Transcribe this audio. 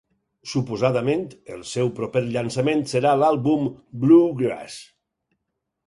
Suposadament, el seu proper llançament serà l'àlbum "Bluegrass".